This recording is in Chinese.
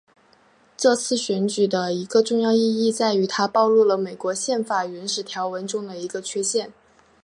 这次选举的一个重要意义在于它暴露了美国宪法原始条文中的一个缺陷。